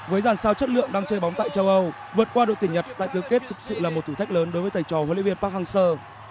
với dàn sao chất lượng đang chơi bóng tại châu âu vượt qua đội tuyển nhật tại tứ kết thực sự là một thử thách lớn đối với thầy trò huấn luyện viên park hang seo